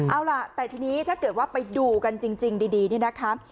เอาล่ะแต่ทีนี้ถ้าเกิดว่าไปดูกันจริงดีนี่นะคะ